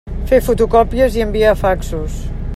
Fer fotocòpies i enviar faxos.